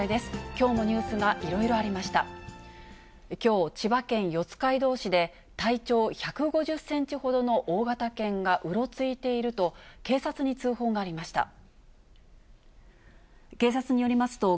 きょう、千葉県四街道市で、体長１５０センチほどの大型犬がうろついていると、警察に通報がありました。